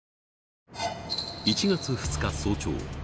１月２日早朝